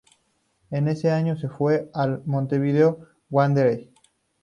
En ese año se fue al Montevideo Wanderers.